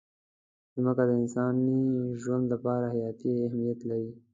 مځکه د انساني ژوند لپاره حیاتي اهمیت لري.